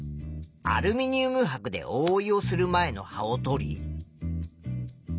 アルミニウムはくでおおいをする前の葉をとり。